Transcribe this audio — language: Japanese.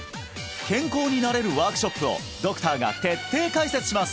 健康になれるワークショップをドクターが徹底解説します！